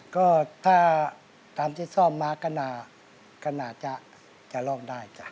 ก็ถ้าทำที่ซ่อมมากนากนาจะร้องได้จ้ะ